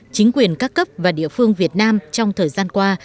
chính quyền các cấp và địa phương việt nam trong thời gian qua